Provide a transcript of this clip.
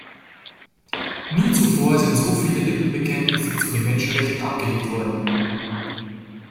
Nie zuvor sind so viele Lippenbekenntnisse zu den Menschenrechten abgelegt worden.